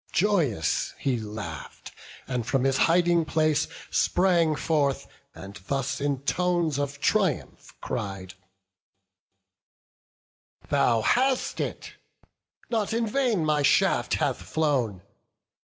Joyous he laugh'd, and from his hiding place Sprang forth, and thus in tones of triumph cried: "Thou hast it! not in vain my shaft hath flown!